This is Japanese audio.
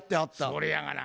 それやがな。